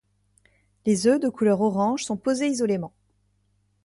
Les œufs, de couleur orange, sont posés isolément.